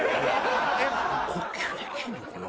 えっ呼吸できるのかな？